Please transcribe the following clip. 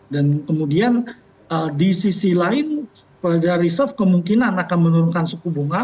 dan kemudian di sisi lain the fed reserve kemungkinan akan menurunkan suku bunga